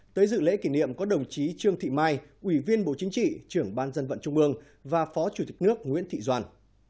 tới dự lễ kỷ niệm có đồng chí trương thị mai ủy viên bộ chính trị trưởng ban dân vận trung ương và phó chủ tịch nước nguyễn thị doan